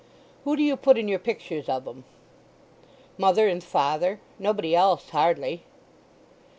"Who do you put in your pictures of 'em?" "Mother and father—nobody else hardly."